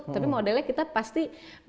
tapi modelnya kita pasti